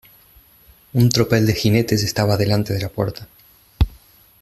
un tropel de jinetes estaba delante de la puerta.